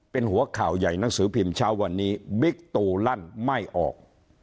เป็นหัวข่าวใหญ่หนังสือพิมพ์เช้าวันนี้บิ๊กตูลั่นไม่ออก